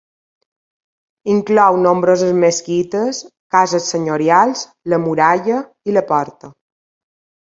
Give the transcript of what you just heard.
Inclou nombroses mesquites, cases senyorials, la muralla i la porta.